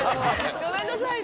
ごめんなさいね。